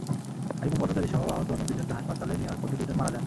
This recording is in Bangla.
একজন পথচারীসহ আহত অন্য তিনজনকে হাসপাতালে নেওয়ার পথে দুজন মারা যান।